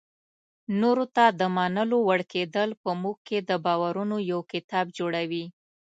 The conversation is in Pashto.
نورو ته د منلو وړ کېدل په موږ کې د باورونو یو کتاب جوړوي.